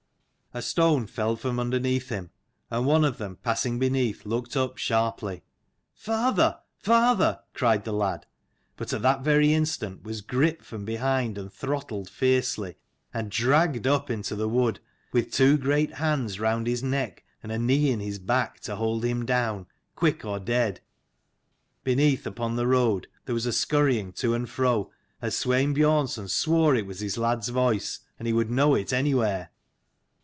A stone fell from under him and one of them passing beneath looked up sharply. " Father, father !" cried the lad ; but at that very instant was gripped from behind, and throttled fiercely, and dragged up into the wood: with two great hands round his neck, and a knee in his back to hold him down, quick or dead. Beneath, upon the road, there was a scurrying to and fro, as Swein Biornson swore it was his lad's voice, and he would know it anywhere.